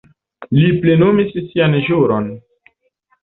Li plenumis sian ĵuron.